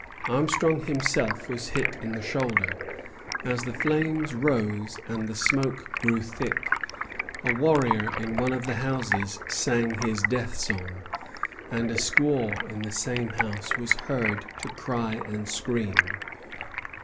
Armstrong himself was hit in the shoulder. As the flames rose and the smoke grew thick, a warrior in one of the houses sang his death song, and a squaw in the same house was heard to cry and scream.